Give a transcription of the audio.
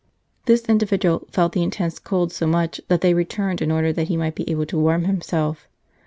This individual felt the intense cold so much that they returned in order that he might be able to warm himself.